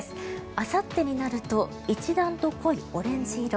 あさってになると一段と濃いオレンジ色。